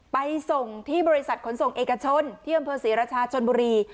ไปส่งที่บริษัทขนส่งเอกชนที่อำเภอศรีราชาชนบุรี